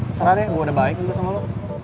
keserah deh gue udah baik juga sama lo